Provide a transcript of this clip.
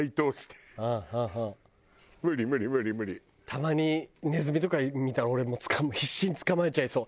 たまにネズミとか見たら俺必死に捕まえちゃいそう。